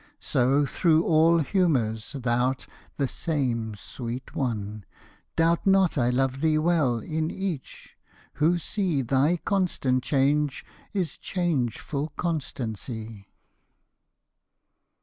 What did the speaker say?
So, through all humors, thou 'rt the same sweet one: Doubt not I love thee well in each, who see Thy constant change is changeful constancy.